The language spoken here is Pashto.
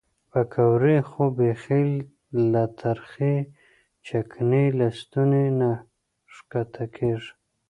پیکورې خو بیخي له ترخې چکنۍ له ستوني نه ښکته کېږي.